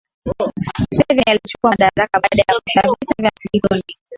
mseveni alichukua madaraka baada ya kushinda vita vya msituni